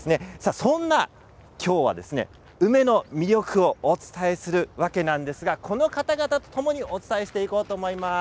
そんな今日は梅の魅力をお伝えするわけなんですがこの方々とともにお伝えしていこうと思います。